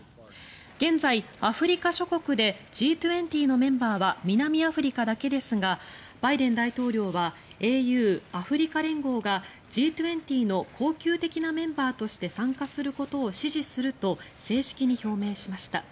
現在、アフリカ諸国でＧ２０のメンバーは南アフリカだけですがバイデン大統領はＡＵ・アフリカ連合がＧ２０の恒久的なメンバーとして参加することを支持すると正式に表明しました。